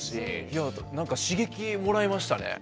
なんか刺激もらいましたね。